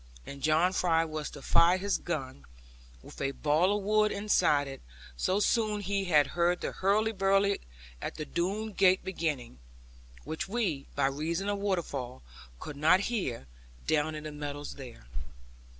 And John Fry was to fire his gun, with a ball of wool inside it, so soon as he heard the hurly burly at the Doone gate beginning; which we, by reason of waterfall, could not hear, down in the meadows there.